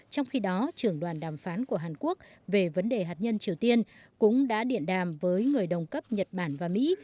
trong khi đó trưởng đoàn đàm phán của hàn quốc về vấn đề hạt nhân triều tiên cũng đã điện đàm với người đồng cấp nhật bản và mỹ